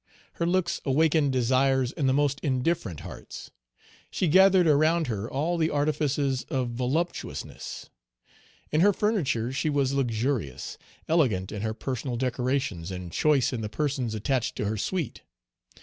Her looks awakened desires in the most indifferent hearts. She gathered around her all the artifices of voluptuousness. In her furniture she was luxurious; elegant in her personal decorations, and choice in the persons attached to her suite.